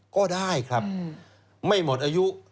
ก็ได้ครับไม่หมดอายุ